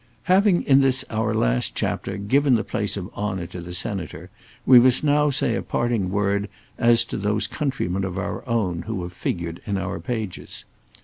Having in this our last chapter given the place of honour to the Senator, we must now say a parting word as to those countrymen of our own who have figured in our pages.